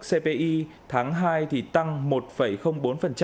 cpi tháng hai tăng một bốn